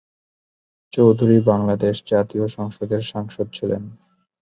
চৌধুরী বাংলাদেশ জাতীয় সংসদের সাংসদ ছিলেন।